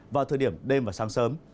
vào thời điểm đêm và sáng sớm